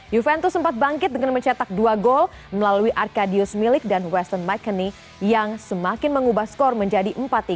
juventus sempat bangkit dengan mencetak dua gol melalui arcadius milik dan western mcanney yang semakin mengubah skor menjadi empat tiga